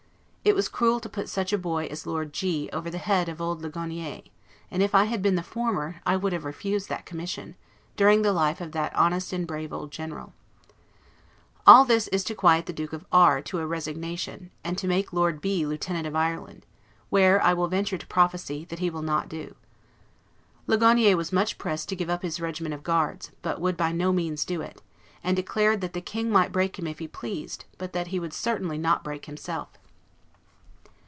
It was cruel to put such a boy as Lord G over the head of old Ligonier; and if I had been the former, I would have refused that commission, during the life of that honest and brave old general. All this to quiet the Duke of R to a resignation, and to make Lord B Lieutenant of Ireland, where, I will venture to prophesy, that he will not do. Ligonier was much pressed to give up his regiment of guards, but would by no means do it; and declared that the King might break him if he pleased, but that he would certainly not break himself.